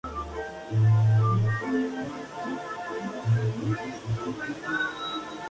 Como tal, elaboró proyectos de ley relacionados con relaciones internacionales y comercio exterior.